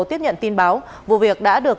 tiếp nhận tin báo vụ việc đã được